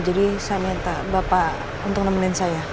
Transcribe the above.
jadi saya minta bapak untuk nemenin saya